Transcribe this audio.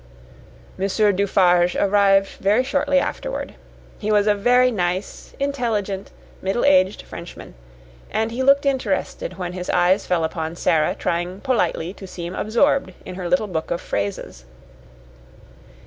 Monsieur Dufarge arrived very shortly afterward. He was a very nice, intelligent, middle aged Frenchman, and he looked interested when his eyes fell upon Sara trying politely to seem absorbed in her little book of phrases.